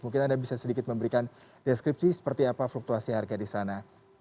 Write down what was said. mungkin anda bisa sedikit memberikan deskripsi seperti apa fluktuasi harga di sana